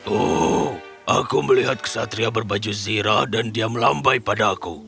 oh aku melihat kesatria berbaju zirah dan dia melampai padaku